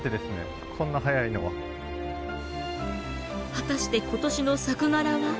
果たして今年の作柄は？